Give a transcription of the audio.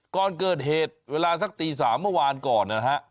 ก่อนเกิดเหตุเวลาสักตี๓เมื่อวานก่อนนะฮะ